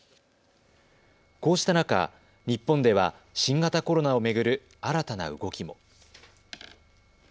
こうした中、日本では新型コロナを巡る新たな動きも。